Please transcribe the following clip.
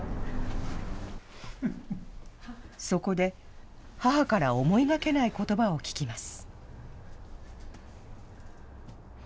そこで、母から思いがけないことばを聞きます。